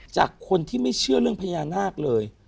จากคนที่ไม่เชื่อเรื่องพญานาคเลย